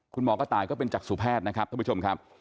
คุณหมอกระต่ายก็เป็นจักษุแพทย์นะครับท่านผู้ชมครับ